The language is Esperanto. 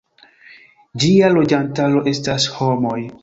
Ĝia loĝantaro estas homoj.